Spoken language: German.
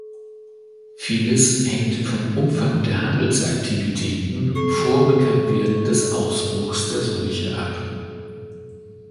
Vieles hängt vom Umfang der Handelsaktivitäten vor Bekanntwerden des Ausbruchs der Seuche ab.